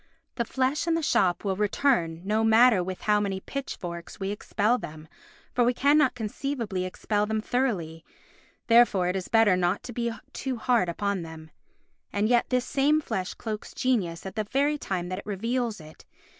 The flesh and the shop will return no matter with how many pitchforks we expel them, for we cannot conceivably expel them thoroughly; therefore it is better not to be too hard upon them. And yet this same flesh cloaks genius at the very time that it reveals it.